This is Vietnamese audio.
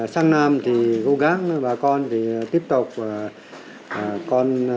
sáng năm thì cố gắng bà con tiếp tục